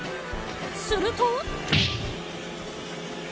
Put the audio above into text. すると。